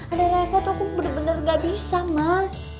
ada reva tuh aku bener bener ga bisa mas